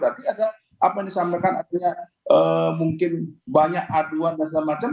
tadi ada apa yang disampaikan artinya mungkin banyak aduan dan segala macam